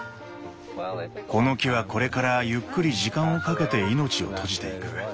この木はこれからゆっくり時間をかけて命を閉じていく。